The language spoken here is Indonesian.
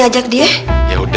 eh mau kemana rum